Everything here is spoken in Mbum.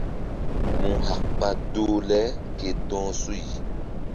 Mu hak ɓa doh le ke dɔh suy.